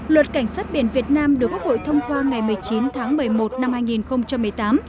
luật cảnh sát biển việt nam được quốc hội thông qua ngày một mươi chín tháng một mươi một năm hai nghìn một mươi tám